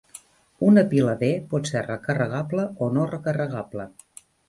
Una pila D pot ser recarregable o no recarregable.